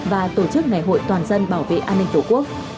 và tổ chức ngày hội toàn dân bảo vệ an ninh tổ quốc